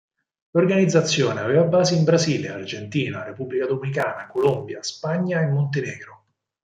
L'organizzazione aveva basi in Brasile, Argentina, Repubblica Dominicana, Colombia, Spagna e Montenegro.